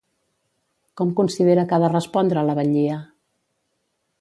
Com considera que ha de respondre la batllia?